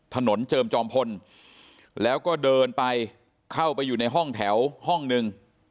เจิมจอมพลแล้วก็เดินไปเข้าไปอยู่ในห้องแถวห้องหนึ่ง